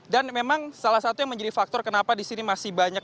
dan memang salah satu yang menjadi faktor kenapa di sini masih banyak